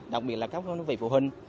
đặc biệt là các phụ huynh